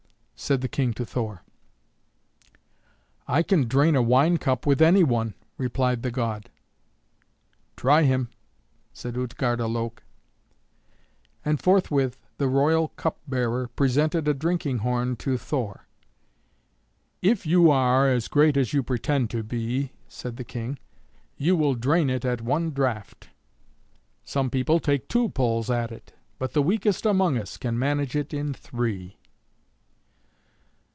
said the King to Thor. "I can drain a wine cup with any one," replied the god. "Try him," said Utgarda Loke. And forthwith the royal cupbearer presented a drinking horn to Thor. "If you are as great as you pretend to be," said the King, "you will drain it at one draught. Some people take two pulls at it, but the weakest among us can manage it in three."